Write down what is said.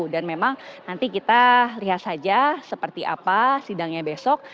dan memang nanti kita lihat saja seperti apa sidangnya besok